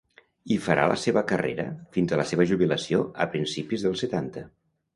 Hi farà la seva carrera fins a la seva jubilació a principis dels setanta.